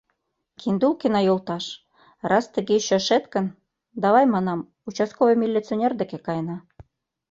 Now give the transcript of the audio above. — Киндулкина йолташ, раз тыге ӱчашет гын, давай, — манам, — участковый милиционер деке каена.